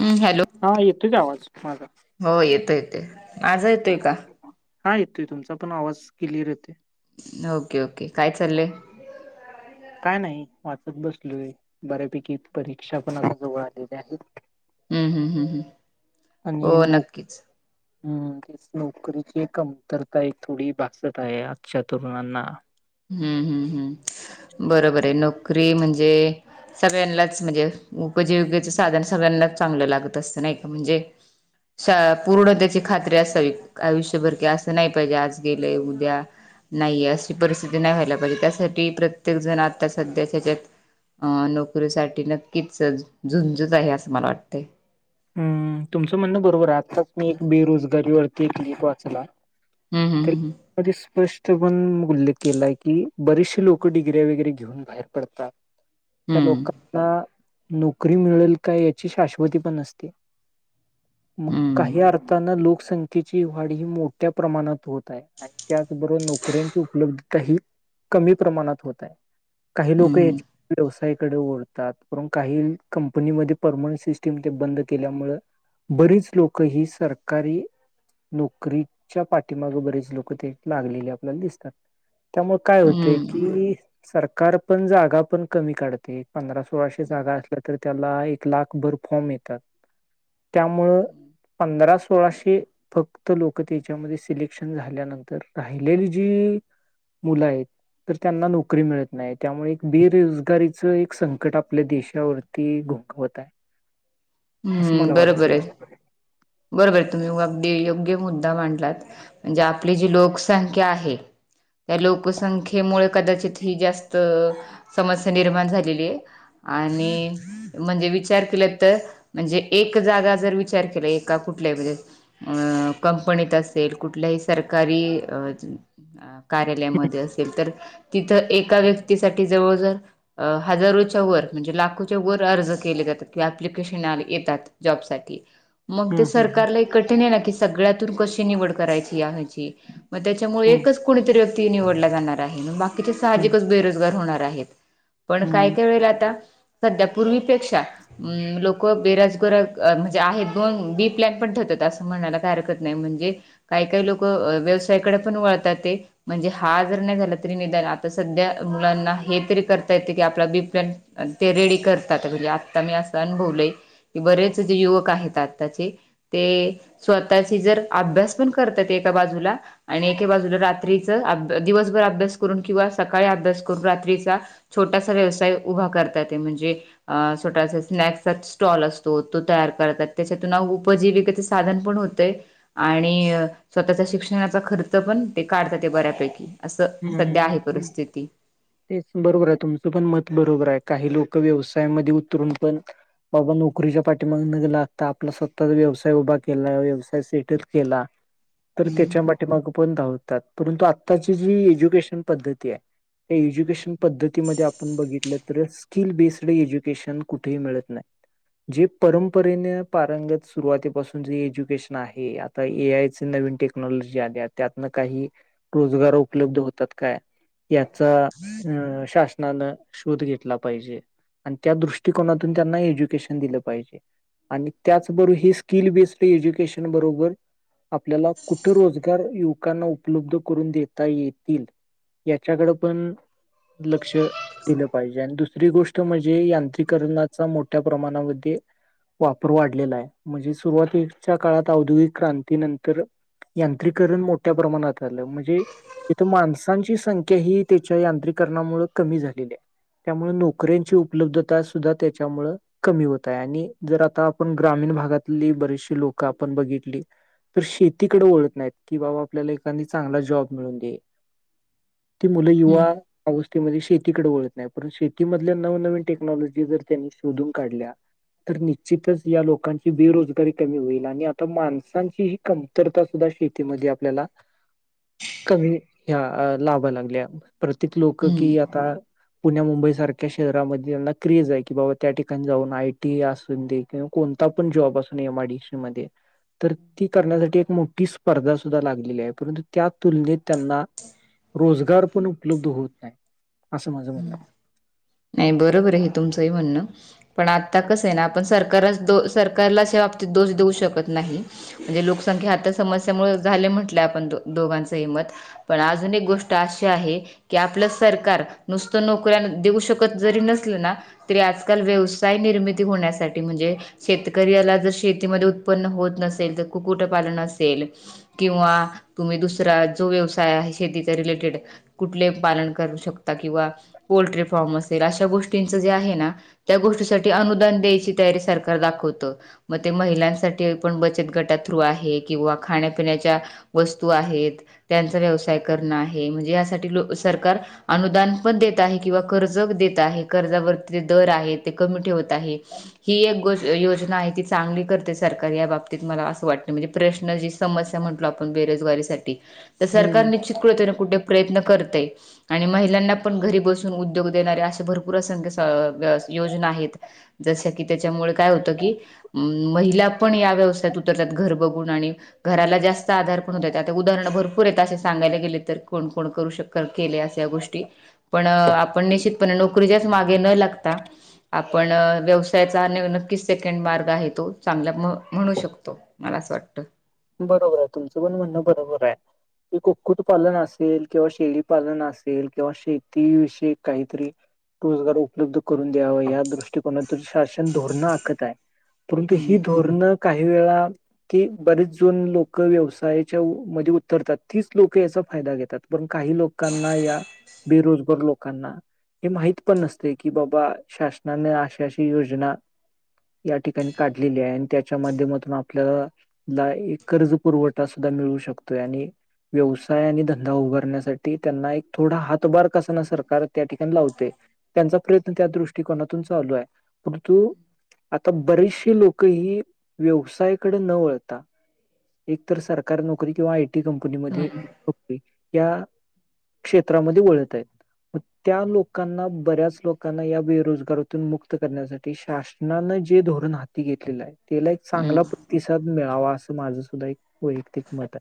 हम्म हॅलो हा येतो की आवाज माझा. हो येतं येते माझा येतोय का? हा येतोय तुमचा पण आवाज क्लिअर येतोय. ओके ओके काय चाललंय? काय नाही वाचत बसलोय बऱ्यापैकी परीक्षा पण आता जवळ आलेल्या आहेत. हम्म हम्म हम्म हम्म आणि हो नो नक्कीच हम् नोकरीची कमतरता एक थोडी भासत आहे आजच्या तरुणांना, हम्म हम् हम् बरोबर हे नोकरी म्हणजे, सगळ्यांलाच म्हणजे उपजीविकेच साधन सगळ्यांनाच चांगलं लागत असतं नाही का म्हणजे. शा पूर्ण तेची खात्री असावी. आयुष्यभर की असं नाही पाहिजे. आज गेलंय उद्या नाहीये अशी परिस्थि ते नाही व्हायला पाहिजे‌. त्यासाठी प्रत्येक जण आता सध्याच्या हेच्यात अ नोकरीसाठी नक्कीच झुंजच आहे असं मला वाटतंय. हम्म तुमचं म्हणणं बरोबर आहे. आत्ताच मी एक बेरोजगारी वरती एक क्लिप वाचला. हम्म त्या हम्म हम्म. स्पष्ट पण उल्लेख केलाय की बरेचसे लोक डिग्र्या बिग्र्या घेऊन बाहेर पडतात त्या हम्म, लोकांना नोकरी मिळेल काय याची शाश्वती पण नसते. मग हम्म, काही अर्थाने लोकसं तिची वाढ ही मोठ्या प्रमाणात होत आहे आणि त्याचबरोबर नोकऱ्यांची उपलब्धता ही कमी प्रमाणात होत आहे. काही लोक हम्म, हेचे व्यवसायकडे वळतात म्हणून काही कंपनीमध्ये परमनंट सिस्टीम ते बंद केल्या मुळ बरीच लोक ही सरकारी नोकरीच्या पाठीमागं बरीच लोक ते लागलेली आपल्याला दिसतात. त्यामुळे काय होतंय हम्म, की सरकार पण जागा पण कमी काढते. पंधरा सोळाशे जागा असल्या तर त्याला एक लाख भर फॉर्म येतात. त्यामुळं पधरा सोळाशे फक्त लोकं त्याच्यामध्ये सिलेक्शन झाल्यानंतर राहिलेली जी मुलं आहेत तर त्यांना नोकरी मिळत नाही. त्यामुळं एक बेरोजगारीच एक संकट आपल्या देशावर ती घुंकवत हाय. हम्म बरोबर आहे बरोबर आहे तुम्ही अगदी योग्य मुद्दा मांडलात. म्हणजे आपली जी लोकसंख्या आहे त्या लोकसंख्येमुळं कदाचित ही जास्त समस्या निर्माण झालेली आहे. आणि म्हणजे विचार केला तर म्हणजे एक जागा जर विचार केला एका कुठल्याही म्हणजे आ कंपनीत असेल कुठल्याही सरकारी अ अ कार्यालयमध्ये असेल तर तिथं एका व्यक्तीसाठी जवळजवळ अ हजारोच्या वर म्हणजे लाखोच्या वर अर्ज केले जात्यात की एप्लीकेशन आले. येतात जॉबसाठी. मग हम्म ते हम्म सरकारला एक कठीण हाय ना की सगळ्यातून कशी निवड करायची या हेची मग त्याच्यामुळे हम्म एकच कुणीतरी व्यक्ती निवडला जाणार आहे, मग बाकीचे हम्म सहाजिक बेरोजगार होणार आहेत. पण काय हम्म काय वेळेला आता सध्या पूर्वीपेक्षा अं लोक बेरोजगार अ म्हणजे आहेत. पण बी प्लॅन पण ठेवतात असं म्हणायला काही हरकत नाही. म्हणजे काही काही लोक व्यवसायाकडे पण वळतात आहे. म्हणजे हा जरी नाही झाला, तरी निदान आता सध्या मुलांना हे तरी करता येतं की आपला बी प्लॅन अ ते रेडी करतात. अ हे आता मी असं अनुभवलय की बरेच ते युवक आहेत आत्ताचे ते स्वतःची जर अभ्यास पण करतात एक बाजूला. आणि एके बाजूला रात्रीचं अभ्यास दिवसभर अभ्यास करून किंवा सकाळी अभ्यास करून रात्रीचा छोटासा व्यवसाय उभा करता येतंय म्हणजे अ छोटासा स्नॅक्सचाच स्टॉल असतो तो तयार करतात. त्याच्यातून अहो उपजीविकेचा साधन पण होतंय. आणि स्वतःच्या शिक्षणाचा खर्च पण ते काढता येते ते बऱ्यापैकी असं हु सध्या आहे हुम. परिस्थिती तेच बरोबर आहे तुमचं पण मत बरोबर आहे काही लोक व्यवसायामध्ये उतरून पण बाबा नोकरीच्या पाठीमागे न लागता आपला स्वतःचा व्यवसाय उभा केला व्यवसाय सेटल केला. [inaudible] तरी त्याच्या पाठीमागे पण धावतात परंतु आत्ताच्या ही जी एज्युकेशन पद्धती ए या एज्युकेशन पद्धतीमध्ये आपण बघितलं तरच सिकल बेस्ट एज्युकेशन कुठेही मिळत नाही. जे परंपरेने पारंगत सुरुवातीपासून जे एज्युकेशन आहे आत्त आता ए आय चं नवीन टेक्नॉलॉजी आल्या त्यातनं काही रोजगार उपलब उपलब्ध होतात काय याचा शासनान शोध घेतला पाहिजे आणि त्या दृष्टकोनातून त्यांना एज्युकेशन दिलं पाहिजे. आणि त्याचबरोबर हे स्किल बेस्ड एज्युकेशन बरोबर. आपल्याला कुठे रोजगार युवकांना उपलब्ध करून देत. देता येतील याच्याकडे पण लक्ष. दिलं पाहिजे आणि दुसरी गोष्ट म्हणजे यांत्रीकणाचा मोठ्या प्रमाणामध्ये. वापर वाढलेला आहे म्हणजे सुरुवातीच्या काळात औद्योगिक क्रांती नंतर यांत्रीकरण मोठ्या प्रमाणात आलं म्हणजे. इथं माणसांची संख्या ही त्याच्या यांत्रकरणामुळे कमी झालेली आहे. त्यामुळे नोकऱ्यांची उपलब्धता सुद्धा त्याच्यामुळे. कमी होत आहे आणि जर आता आपण ग्रामीण भागातली बरेचशी लोक आपण बघितली. तर शेतीकडे वळत नाहीत की बाबा आपल्याला एखादी चांगला जॉब. मिळून दे ती मुलं हम्म युवा. त्या गोष्टीमध्ये शेतीकडे वळत नाही पण शेतीमधल्या नवनवीन टेक्नॉलॉजी जर त्यांनी शोधून काढल्या. तर निश्चितच या लोकांची बेरोजगारी कमी होईल आणि आता माणसांचीही कमी. तर त्या सुद्धा शेतीमध्ये आपल्याला. कमी ह्या लावा लागल्या प्रत्येक लोक हम्म कि आता. पुण्या मुंबई सारख्या शहरामध्ये त्यांना क्रेज आहे की बाबा त्या ठिकाणी जाऊन आय टी असून दे. किंवा कोणता पण जॉब असं एम आय डी सी मध्ये तर ती करण्यासाठी एक मोठी. स्पर्धा सुद्धा लागलेली परंतु त्यात तुलनेत त्यांना रोजगार पण उपलब्ध होत नाही असं माझं म्हणणं हे. नाही बरोबर आहे हे तुमचं म्हणणं. पण आता कसं आहे ना आपण सरकार सरकारला अशा बाबतीत दोष देऊ शकत नाही. म्हणजे लोकसंख्या आता समस्यामुळे झाल्या म्हटल्या आपण दोघांच ही मत. पण अजून एक गोष्ट अशी आहे की आपलं सरकार नुसतं नोकऱ्या देऊ शकत जरी नसलं ना. तरी आज काल व्यवसाय निर्मिती होण्यासाठी म्हणजे शेतकऱ्याला जर शेतीमध्ये उत्पन्न होत नसेल तर कुक्कुटपालन असेल. किंवा तुम्ही दुसरा जो व्यवसाय आहे शेतीचा रिलेटेड. कुठले पालन करू शकता किंवा पोल्ट्री फार्मअसेल अशा गोष्टींचं जे आहे ना. त्या गोष्टीसाठी अनुदान द्यायची तयारी सरकार दाखवत मग ते महिलांसाठी पण बचत गटा थ्रू आहे किंवा खाण्यापिण्याच्या वस्तू आहेत त्यांचा व्यवसाय करणं आहे म्हणजे यासाठी ल सरकार. अनुदान पण देत आहे किंवा कर्ज देत आहे कर्जावरती ते दर आहे ते कमी ठेवत आहे. ही एक गो योजना आहे ती चांगली करते सरकार या बाबतीत मला असं वाटत म्हणजे प्रश्न जी. समस्या म्हटलो आपण बेरोजगारीसाठी तर सरकार हम्म निश्चित क कुठे प्रयत्न करतय. आणि महिलांना पण घरी बसून उद्योग देणारे असे भरपूर असंख्य स अं योजना आहेत. जसं की त्याच्यामुळे काय होतं की हम्म महिला पण या व्यवसायात उतरतात घर बघून आणि घराला जास्त आधार पण होत, आता उदाहरणं भरपूर आहेत असे सांगायला गेले तर, कोण-कोण करू शक केले असं. त्या गोष्टी पण आपण निश्चितपणे नोकरीच्याच मागे न लागता आपण अं व्यवसायाचा नेव नक्कीच सेकंड मार्ग आहे, तो चांगला म्हणू शकतो. मला असं वाटतं. बरोबर आहे, तुमचं पण म्हणणं बरोबर आहे. कुक् कुक्कुट पालन असेल किंवा शेळीपालन असेल किंवा शेती विषयी काहीतरी रोजगार उपलब्ध करून द्यावा या दृष्टीकोनातून शासन धोरणं आखत आहे. परंतु ही धोरणं काही वेळा ती बरीच जून लोकं व्यवसायाच्या मध्ये उतरतात तीच लोकं याचा फायदा घेतात. पण काही लोकांना या बेरोजगार लोकांना हे माहित पण नसते की बाबा शासनाने आशी-आशी योजना या ठिकाणी काढलेली आहे अन् त्याच्या माध्यमातून आपलं कर्ज पुरवठा सुद्धा मिळू शकतोय आणि व्यवसाय आणि धंदा उभारण्यासाठी त्यांना एक थोडा हातभार कसना सरकार त्या ठिकाणी लावते. त्यांचा प्रयत्न त्या दृष्टिकोनातून चालू आहे, परंतु आता बरीचशी लोक हि व्यवसायाकडे न वळता एक तर सरकारी नोकरी किंवा आयटी कंपनीमध्ये हम्म नोकरी या क्षेत्रामध्ये वळत आहेत. त्या लोकांना बऱ्याच लोकांना या बेरोजगारातून मुक्त करण्यासाठी शासनानं जे धोरण हा ती घेतलेला आहे, त्याला एक चांगला हम्म प्रतिसाद मिळावा, असं माझं सुद्धा एक वैयक्तिक मत आहे.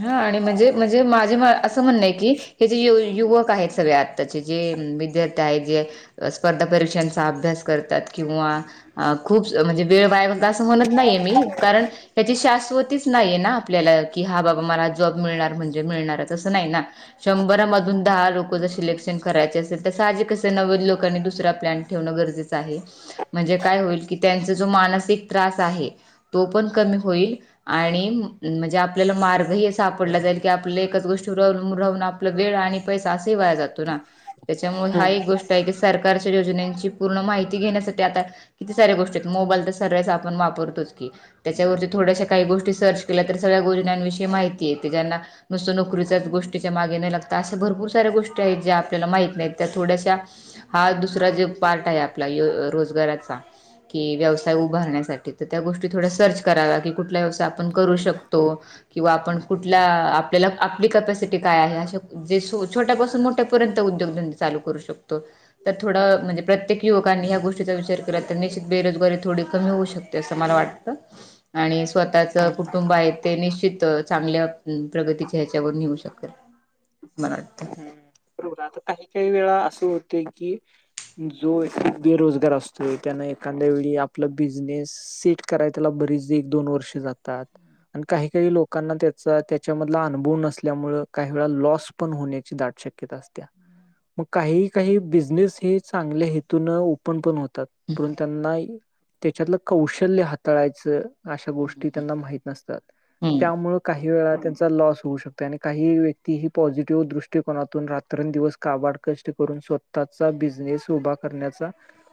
हा आणि म्हणजे-म्हणजे माझे असं म्हणणं आहे की, हे जे यु-युवक आहेत सगळ्यात त्याचे जे विद्यार्थी आहेत जे स्पर्धा परीक्षांचा अभ्यास करतात किंवा अ खूप म्हणजे वेळ वाया असं म्हणत नाहीये मी कारण त्याची शाश्वतीच नाही हे ना आपल्याला की हा बा म मला जॉब मिळणार म्हणजे मिळणारच असं नाही हे ना. शंभरामधून दहा लोक जर सिलेक्शन करायचे असेल तर साहजिकच हे नव्वद लोकांनी दुसरा प्लॅन ठेवणं गरजेच आहे. म्हणजे काय होईल की त्यांचा जो मानसिक त्रास आहे तो पण कमी होईल आणि म्हणजे आपल्याला मार् हे सापडलं जाईल की आपले एकाच गोष्टीवर अलंबून राहून आपला वेळ आणि पैसा असेही वाया जातो ना, त्याच्यामुळे हा एक गोष्ट आहे की सरकारच्या योजनेंची पूर्ण माहिती घेण्यासाठी आता किती सऱ्या गोष्टीत मोबाईल तर सर्वच आपण वापरतोच की. त्याच्यावरती थोड्याशा काही गोष्टी सर्च केल्या तर सगळ्या गोजण्यां-विषयी माहिती येते. ज्यांना नुसतं नोकरीच्याच गोष्टीच्या मागे नय लागता अशा भरपूर साऱ्या गोष्टी आहेत ज्या आपल्याला माहित नाहीत त्या थोड्याश्या हा दुसरा जे पार्ट आहे आपला य रोजगाराचा कि व्यवसाय उभारण्या-साठी तर त्या गोष्टी थोड्या सर्च कराव्या की कुठल्या व्यव आपण हम्म करू बरोबर. शकतो किंवा आपण कुठला आपल्याला आपली कॅपेसीटी काय आहे आ जे सो छोट्यापासून, मोठ्यापर्यंत उद्योगधंदे चालू करू शकतो. तर थोडं म्हणजे प्रतेक युवकांनी या गोष्टीचा विचार केला तर निश्चित बेरोजगारी थोडी कमी होऊ शक ते असं मला वाटत आणि स्वतःचं हम्म कुटुंब आहे ते निश्चित त चांगल्या प्रगतीच्या ह्याच्यावर नेऊ शकेल, मला वाटतं. बरोबर आता काही-काही वेळा असं होतेय की जो बेरोजगार असतोय, त्यांना एखाद्या वेळी आपला बिझनेस. सेट कराय त्याला बरीच एक दोन वर्षे जातात. आणि काही काही लोकांना त्याचा त्याच्यामधला अनुभव नसल्यामुळ काही वेळा लॉस. पण होण्याची दाट शक्यता असत. मग काही काही बिझनेस हेचांगल्या हेतून ओपन पण हो. त त्यांना त्याच्यातलं कौशल्य हाताळायचं अशा. गोष्टी माहीत नसतात हम्म त्यामुळे काही वेळा त्यांचा लॉस. होऊ शकते आणि काही व्यक्ती ही पॉझिटिव्ह दृष्टकोनातून रात्र दिवस काबाड कष्ट व्यक्ती करून स्वतःचा बिजनेस उभा करण्याचा.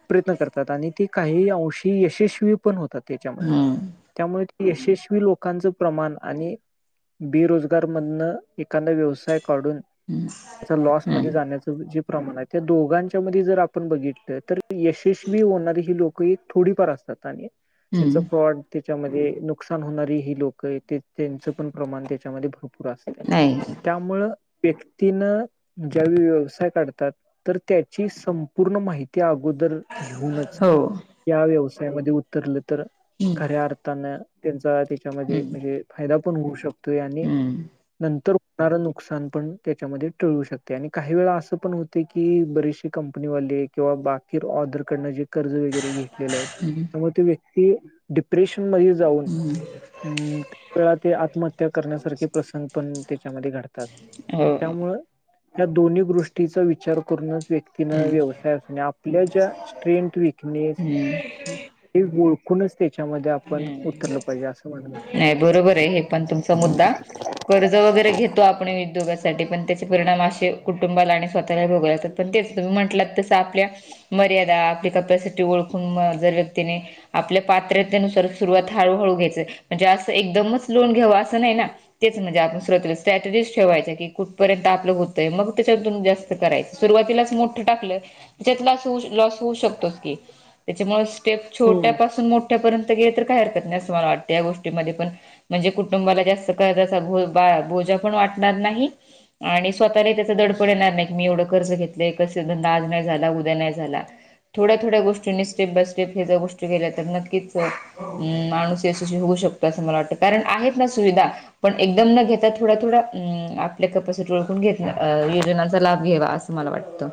प्रयत्न करतात आणि ते काही अंशी यशस्वी पण होतात त्याच्यामध्ये हम्म त्यामुळे ते. यशस्वी लोकांचं प्रमाण आणि बेरोजगार मधनं. एखादा व्यवसाय काढून हम्म लॉस हम्म जाण्याच जे प्रमाण आहे त्या दोघांच्या मधे जर आपल बघितलं तर. यशस्वी होणारे ही लोक एक थोडीफार असतात आणि त्यांच हम्म फ्रॉड त्याच्यामध्ये नुकसान होणारी ही लोकं हे त्यांच पण प्रमाण त्याच्यामध्ये भरपूर असते. नाही त्यामुळ व्यक्तीन ज्यावेळी व्यवसाय काढतात तर त्याची संपूर्ण माहिती अगोदर. घेऊनच हो या उतरलं तर खऱ्या हम्म अर्थानं. त्यांचा त्याच्यामध्ये हम्म म्हणजे फायदा पण होऊ शकतोय आणि हम्म नंतर. णार पण होणार काही वेळा असं पण होते की बरेचसे वाले केंवा बाकीर ऑर्र जे कर्ज वगैरे घेतलेले आहे त्यामुळे ते व्यक्ती डिप्रेशन मध्ये जाऊन. हम्म हम् त्या वेळा ते आत्महत्या करण्यासारखे प्रसंग पण त्याच्यामध्ये घडतात हो हम्म त्यामुळं या दोन्ही गोष्टीचा विचार करूनच व्यक्तीन व्यवसाय अस आपल्या ज्या स्ट्रेथ विकनेस हे ओळखूनच त्याच्यामध्ये आपण हम्म आपण [inaudible] नाही बरोबर आहे हे पण तुमचा मुद्दा. कर्ज वगैरे घेतो आपण उद्योगासाठी पण त्याचे परिणाम असे कुटुंबाला आणि स्वतःला भोगला. पण तेच तुम्ही म्हटलात तसं आपल्या मर्यादा आपली कपॅसिटी ओळखून म जर व्यक्तीने आपल्या पात्रतेनुसार सुरुवात हळूहळू घ्यायचय म्हणजे असं एकदमच लोन घ्यावं असं नाही ना तेच म्हणजे आपण सुरवला स्ट्रॅटजस ठेवायच की कुठपर्यंत आपलं होतय मग त्याच्यातून जास्त कराय सुरुवातीला मोठ टाकलं त्याच्यात लॉस होऊ शकतो की त्याच्यामुळे स्टेप हम्म छोट्यापासून मोठ्या पर्यंत गेले तर काही हरकत नाही असं मला वाटतं या गोष्टी पण म्हणजे कुटुंबाला जास्त कज भोजा पण वाटणार नाही आणि स्वतःलाही त्याच दडपड येणार नाही की मी आणि स्वतःलाही याचं एवढं दडपण येणार नाही एवढं कर्ज घेतलेय कस धंदा आज नाही झाला उद्या नाही झाला. थोड्या थोड्या गोष्टींनी स्टेप बाय स्टेप हे जर गो केल्या तर नक्कीच म माणस यशस्वी होऊ शकतो असं मला वाटत, कारण आहेत ना सुविधा पण एकदम न घेता थोडा थोडा आपल्या कपस ओळखून घेत योजनांचा लाभ घ्यावा अस. मला वाटतं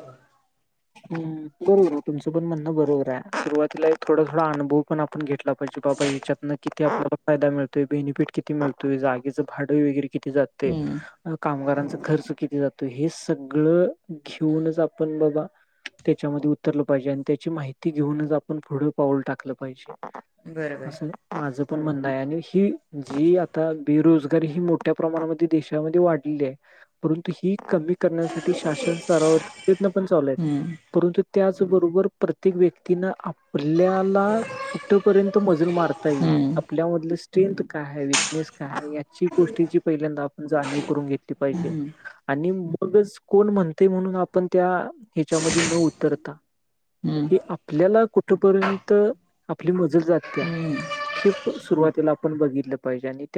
हम बरोबर आहे तुमचं पण म्हणणं बरोबर आहे सुरुवातीला थोड थो अनुभव पण आप आपण घेतला पाहिजे बाबा याच्यातं किती आपल्याला फायदा मिळतोय? बेनिफिट किती मिळतय जागचं भाडं वगैरे किती जातं ते. हम्म कामगारांचा खर्च किती जातो, हे सगळं घेऊनच आपण बाबा. त्याच्यामध्ये उतरलं पाहिजे आणि त्याची माहिती घेऊनच, आपण पुढं पाऊल टाकलं पाहिजे. बरोबर असलं माझं पण म्हणण आहे आणि ही जी आता बेरोजगारी ही मोठ्या प्रमाणामध्ये देशामध्ये वाढ परंतु ही कमी करण्यासाठी शासन स्तरावरती प्रयत्न पण चालू आहेत. हम्म परंतु त्याचबरोबर प्रत्येक व्यक्तीनं आपल्याला कुठेपर्यंत मजल मारता येईल. हम्म आपल्यामधलं स्ट्रेंथ काय आहे विकनेस काय आहे याची गोष्टीची पहिल्यांदा आपण जाणीव करून घेतली, पाहिजे आणि म कोण म्हणतंय म्हणून आपण त्या एक त्यांच्यामध्ये न उतरता. हम्म कि आपल्याला कुठपर्यंत आपली मजत जात्या. हम्म हे पण सुरुवातीला आपण बघितलं पाहिजे आणि ते